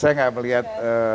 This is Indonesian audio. saya gak melihat